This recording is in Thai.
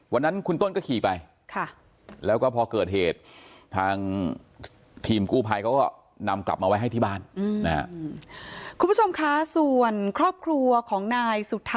วันนั้นคุณต้นก็ขี่ไปแล้วก็พอเกิดเหตุทางทีมกู้ภัย